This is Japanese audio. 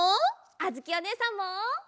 あづきおねえさんも！